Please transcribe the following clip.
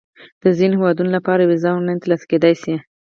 د ځینو هیوادونو لپاره ویزه آنلاین ترلاسه کېدای شي.